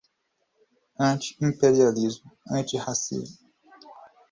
Anti-imperialismo, antirracismo